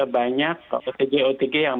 banyak otg otg yang